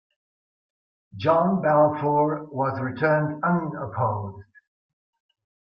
John Balfour was returned unopposed.